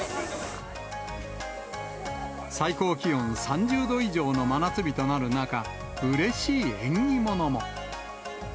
最高気温３０度以上の真夏日となる中、うれしい縁起物も。